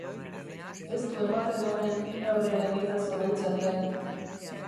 Ez du ematen hemen inor ere nitaz oroitzen den.